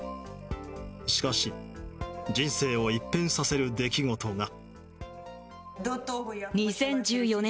しかし人生を一変させる出来事が。